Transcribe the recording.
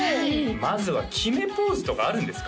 まずは決めポーズとかあるんですか？